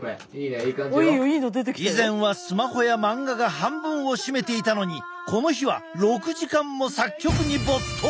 以前はスマホや漫画が半分を占めていたのにこの日は６時間も作曲に没頭。